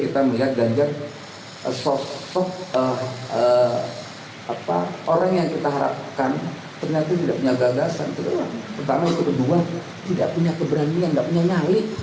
banyak kan orang yang curiga